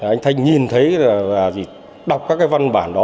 anh thanh nhìn thấy và đọc các văn bản đó